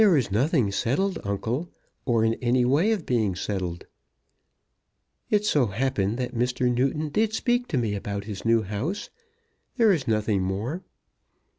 "There is nothing settled, uncle, or in any way of being settled. It so happened that Mr. Newton did speak to me about his new house. There is nothing more."